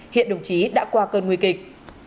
hiện đồng chí đã qua cơn nguy kịch